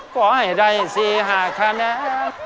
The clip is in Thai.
ขอให้ได้สี่ห้าขนาด